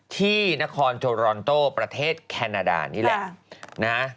ที่นครโทรอนโตประเทศแคนาดานี่แหละนะ